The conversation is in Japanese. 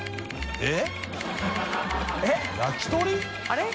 えっ？